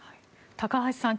高橋さん